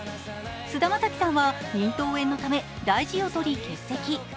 菅田将暉さんは咽頭炎のため大事をとり欠席。